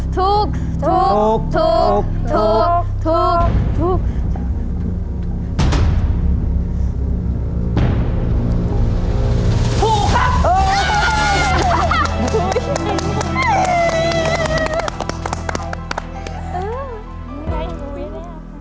ถูกครับ